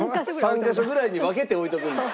３カ所ぐらいに分けて置いとくんですか。